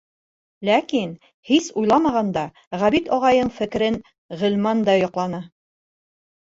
Ләкин, һис тә уйламағанда, Ғәбит ағайҙың фекерен Ғилман да яҡланы.